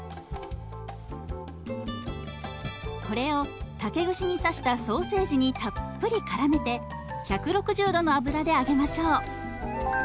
これを竹串に刺したソーセージにたっぷりからめて１６０度の油で揚げましょう。